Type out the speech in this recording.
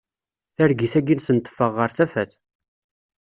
Targit-agi-nsen teffeɣ ɣer tafat.